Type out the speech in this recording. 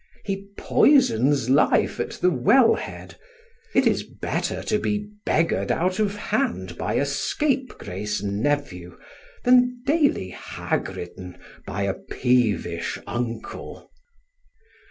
He poisons life at the well head. It is better to be beggared out of hand by a scapegrace nephew, than daily hag ridden by a peevish uncle.